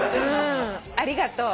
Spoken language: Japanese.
ありがとう。